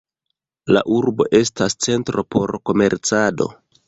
La urbo estas centro por komercado.